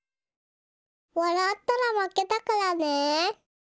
わらったらまけだからね。